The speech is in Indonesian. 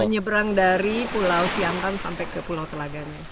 menyeberang dari pulau siangkan sampai ke pulau telaganya